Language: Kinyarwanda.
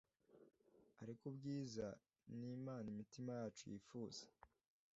ariko ubwiza ni imana imitima yacu yifuza